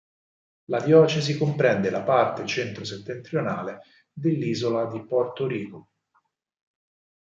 La diocesi comprende la parte centro-settentrionale dell'isola di Porto Rico.